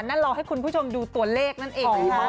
นั่นรอให้คุณผู้ชมดูตัวเลขนั่นเองนะคะ